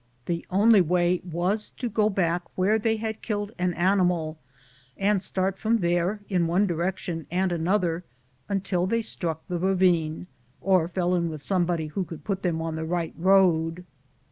The only way was to go back where they had killed an animal and start from there in one direction and another until they struck the ravine or fell in with somebody who could put them on the right road.